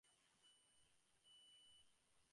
তিনি একজন মহিলার গর্ভে তার সন্তান আসে যার নাম আলফ্রেড।